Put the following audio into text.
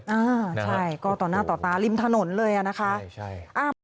อ่าใช่ก็ต่อหน้าต่อตาริมถนนเลยอ่ะนะคะ